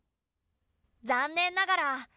残念ながらえ！